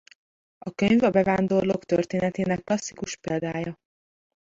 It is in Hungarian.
A könyv a bevándorlók történetének klasszikus példája.